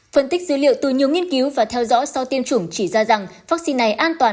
phân tích dữ liệu từ nhiều nghiên cứu và theo dõi sau tiêm chủng chỉ ra rằng vaccine này an toàn